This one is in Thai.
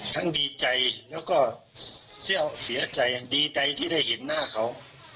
ทั้งดีใจแล้วก็เสียใจดีใจที่ได้เห็นหน้าเขา